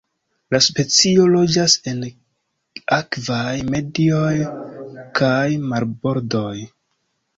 La specio loĝas en akvaj medioj kaj marbordoj.